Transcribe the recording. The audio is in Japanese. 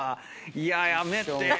いややめて！